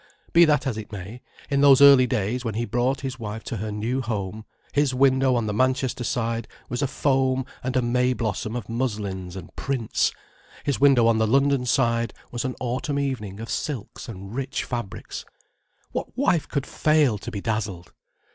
Be that as it may, in those early days when he brought his wife to her new home, his window on the Manchester side was a foam and a may blossom of muslins and prints, his window on the London side was an autumn evening of silks and rich fabrics. What wife could fail to be dazzled!